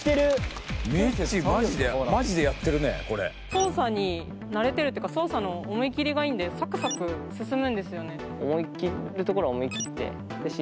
操作に慣れてるっていうか操作の思い切りがいいんでサクサク進むんですよね。